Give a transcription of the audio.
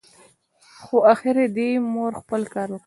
خو اخر دي مور خپل کار وکړ !